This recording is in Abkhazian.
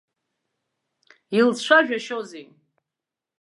Илцәажәашьоузеи!